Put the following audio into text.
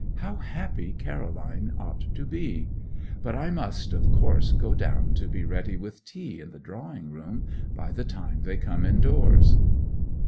How happy Caroline ought to be. But I must, of course, go down to be ready with tea in the drawing room by the time they come indoors.